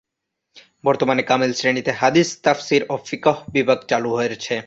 বর্তমানে কামিল শ্রেণীতে হাদীস, তাফসীর ও ফিকহ্ বিভাগ চালু রয়েছে।